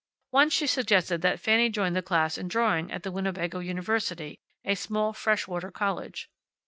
Once she suggested that Fanny join the class in drawing at the Winnebago university a small fresh water college.